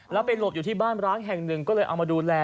แล้วไปหลบอยู่ที่บ้านร้างแห่งหนึ่งก็เลยเอามาดูแล